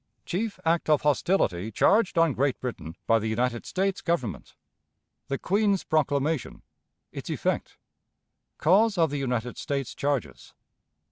Chief Act of Hostility charged on Great Britain by the United States Government. The Queen's Proclamation: its Effect. Cause of the United States Charges.